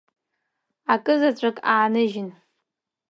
Акы заҵәык ааныжьын.